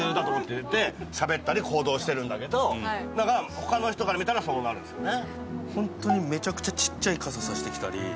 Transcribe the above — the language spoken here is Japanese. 他の人から見たらそうなるんですよね。